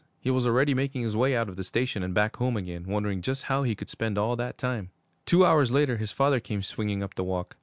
He was already making his way out of the station and back home again, wondering just how he could spend all that time. Two hours later, his father came swinging up the walk.